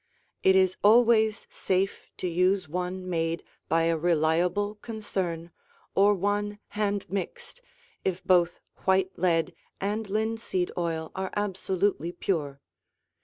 It is always safe to use one made by a reliable concern or one hand mixed, if both white lead and linseed oil are absolutely pure.